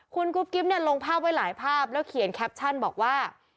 คุณกุ๊บกิ๊บเนี่ยลงภาพไว้หลายภาพแล้วเขียนแคปชั่นบอกว่า